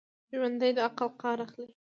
ژوندي د عقل کار اخلي